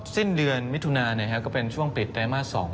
สิ้นเดือนมิถุนาก็เป็นช่วงปิดไตรมาส๒